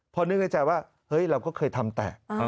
พอนึกในใจว่าเฮ้ยเราก็เคยทำแต่